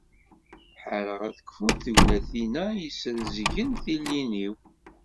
Ḥareɣ ad kfunt tegnatin-a yesrezgen tilin-iw.